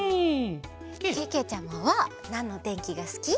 けけちゃまはなんのてんきがすき？